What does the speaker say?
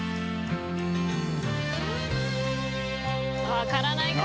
分からないか。